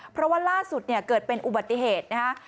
เพราะว่าล่าสุดเนี่ยเกิดเป็นอุบัติเหตุนะคะ